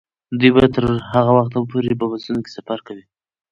دوی به تر هغه وخته پورې په بسونو کې سفر کوي.